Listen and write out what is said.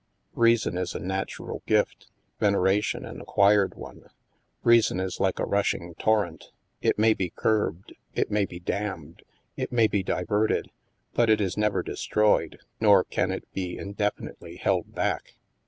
Reason is a natural gift, veneration an acquired one. Reason is like a rushing torrent: it may be curbed, it may be dammed, it may be di verted; but it is never destroyed, nor can it be in definitely held back.